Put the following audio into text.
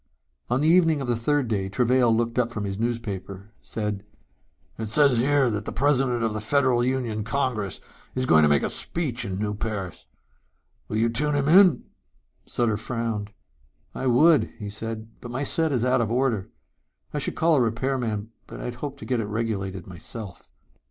On the evening of the third day Travail looked up from his newspaper, said, "It says here that the president of the Federal Union Congress is going to make a speech in New Paris. Will you tune him in?" Sutter frowned. "I would," he said, "but my set is out of order. I should call a repair man, but I had hoped to get it regulated myself."